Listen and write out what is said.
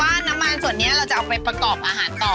น้ำมันส่วนนี้เราจะเอาไปประกอบอาหารต่อ